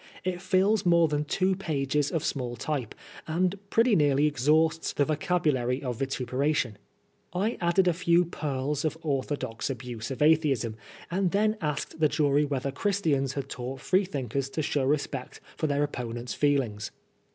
It fills more than two pages of small type, and pretty nearly exhausts the vocabulary of vituperation. I added a few pearls of orthodox abuse of Atheism, and then asked the jury whether Christians had taught Freethinkers to show respect for their opponents' feelings.